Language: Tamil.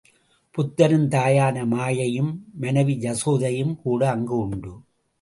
புத்தரின் தாயான மாயையும், மனைவி யசோதையும் கூட அங்கு உண்டு.